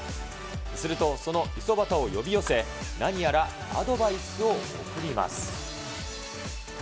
するとその五十幡を呼び寄せ、何やらアドバイスを送ります。